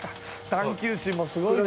探究心もすごいな。